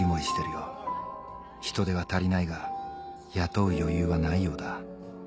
人手は足りないが雇う余裕はないようだ。